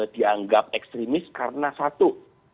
dianggap ekstremis karena satu